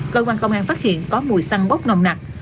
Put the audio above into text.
cơ quan công an phát hiện có mùi xăng bốc nồng nặt